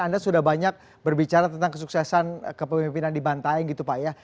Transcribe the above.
anda sudah banyak berbicara tentang kesuksesan kepemimpinan di bantaeng gitu pak ya